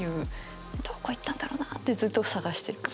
どこ行ったんだろうなってずっと探してる感じですね。